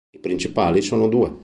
Le principali sono due.